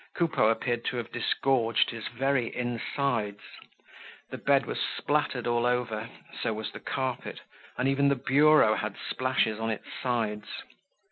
Coupeau appeared to have disgorged his very insides. The bed was splattered all over, so was the carpet, and even the bureau had splashes on its sides.